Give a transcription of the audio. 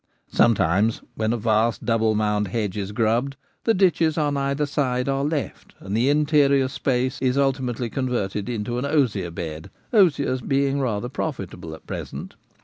Sometimes when a vast double mound hedge is grubbed, the ditches each side are left, and the interior space is ultimately converted into an osier bed, osiers being rather pro fitable at present.